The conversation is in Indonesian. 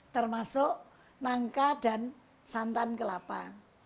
termasuk nangka dan santan kelapa